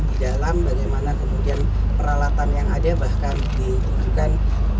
di dalam bagaimana kemudian peralatan yang ada bahkan ditunjukkan